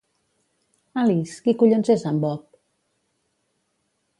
Alice, qui collons és en Bob?